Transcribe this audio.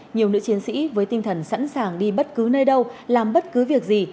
nhiều nữ chiến sĩ với tinh thần sẵn sàng đi bất cứ nơi đâu làm bất cứ việc gì